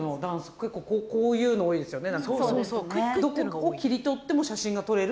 こういうの多いですよね。